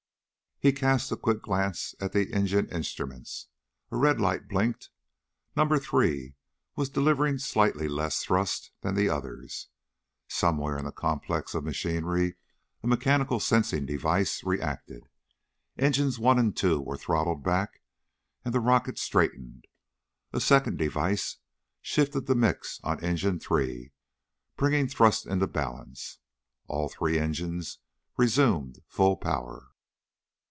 He cast a quick glance at the engine instruments. A red light blinked. Number three was delivering slightly less thrust than the others. Somewhere in the complex of machinery a mechanical sensing device reacted. Engines one and two were throttled back and the rocket straightened. A second device shifted the mix on engine three, bringing thrust into balance. All three engines resumed full power.